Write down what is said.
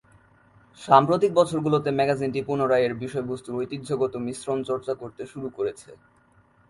সাম্প্রতিক বছরগুলিতে, ম্যাগাজিনটি পুনরায় এর বিষয়বস্তুর ঐতিহ্যগত মিশ্রণ চর্চা করতে শুরু করেছে।